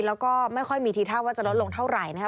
แล้วก็ไม่ค่อยมีทีท่าว่าจะลดลงเท่าไหร่นะครับ